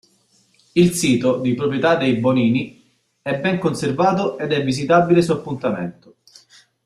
Il sito, di proprietà dei Bonini, è ben conservato ed è visitabile su appuntamento.